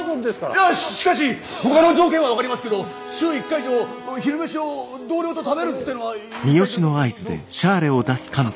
いやしかしほかの条件は分かりますけど週１回以上昼飯を同僚と食べるってのは一体？